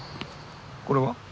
これは？